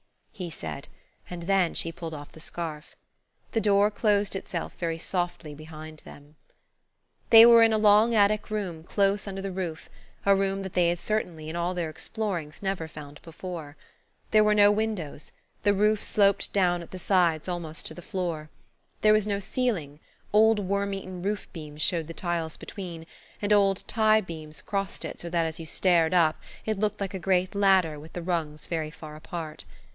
he said, and then she pulled off the scarf. The door closed itself very softly behind them. They were in a long attic room close under the roof–a room that they had certainly, in all their explorings, never found before. There were no windows–the roof sloped down at the sides almost to the floor. There was no ceiling–old worm eaten roof beams showed the tiles between–and old tie beams crossed it so that as you stared up it looked like a great ladder with the rungs very far apart.